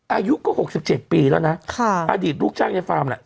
อายุก็๖๗ปีแล้วนะอดีตลูกจ้างในฟาร์มแหละ